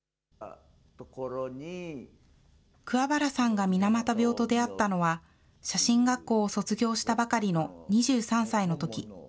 桑原さんが水俣病と出会ったのは、写真学校を卒業したばかりの２３歳の時。